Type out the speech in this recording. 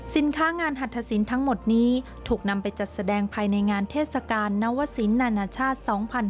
งานหัตถสินทั้งหมดนี้ถูกนำไปจัดแสดงภายในงานเทศกาลนวสินนานาชาติ๒๕๕๙